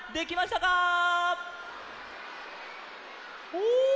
お！